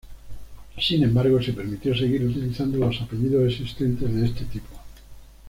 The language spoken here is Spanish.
Sin embargo, se permitió seguir utilizando los apellidos existentes de este tipo.